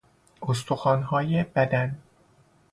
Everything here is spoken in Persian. استخوانهای بدن